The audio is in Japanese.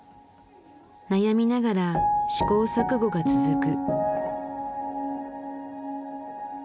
悩みながら試行錯誤が続く。